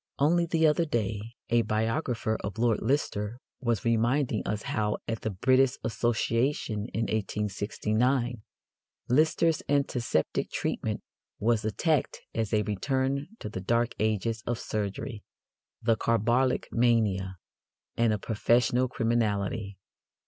Only the other day a biographer of Lord Lister was reminding us how, at the British Association in 1869, Lister's antiseptic treatment was attacked as a "return to the dark ages of surgery," the "carbolic mania," and "a professional criminality."